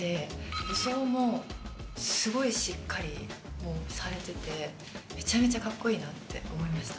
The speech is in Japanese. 武装もすごいしっかりされててめちゃめちゃカッコいいなって思いました。